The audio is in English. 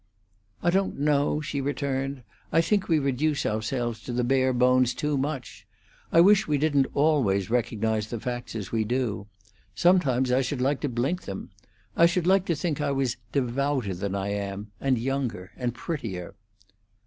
"I don't know," she returned. "I think we reduce ourselves to the bare bones too much. I wish we didn't always recognize the facts as we do. Sometimes I should like to blink them. I should like to think I was devouter than I am, and younger and prettier."